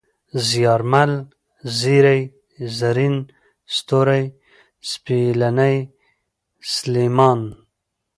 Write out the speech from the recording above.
زيارمل ، زېرى ، زرين ، ستوری ، سپېلنی ، سلېمان